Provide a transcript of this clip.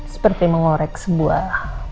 seperti mengorek sebuah